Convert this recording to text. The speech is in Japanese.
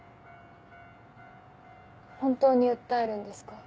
本当に訴えるんですか？